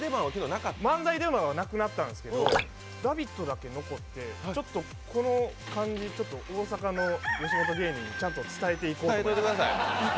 漫才出番はなくなったんですけど「ラヴィット！」だけは残ってちょっとこの感じ、大阪の吉本芸人にちゃんと伝えていこうと思って。